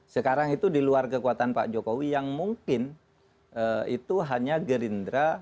sekarang itu di luar kekuatan pak jokowi yang mungkin itu hanya gerindra